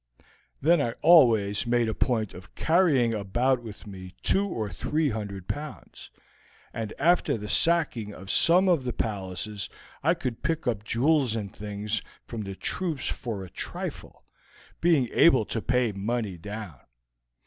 Then I always made a point of carrying about with me two or three hundred pounds, and after the sacking of some of the palaces I could pick up jewels and things from the troops for a trifle, being able to pay money down.